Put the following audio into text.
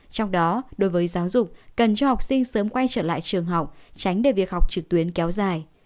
trong đó đối với giáo dục cần cho học sinh sớm quay trở lại trường học tránh để việc học trực tuyến kéo dài